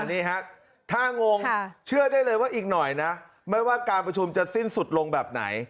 นี่ฮะถ้างงเชื่อได้เลยว่าอีกหน่อยนะไม่ว่าการประชุมจะสิ้นสุดลงแบบไหน